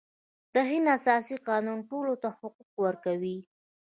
د هند اساسي قانون ټولو ته حقوق ورکوي.